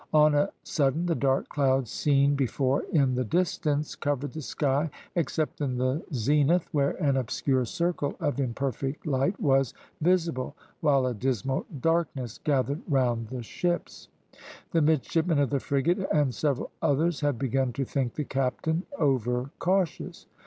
On a sudden the dark clouds seen before in the distance covered the sky, except in the zenith, where an obscure circle of imperfect light was visible, while a dismal darkness gathered round the ships. The midshipmen of the frigate, and several others, had begun to think the captain over cautious.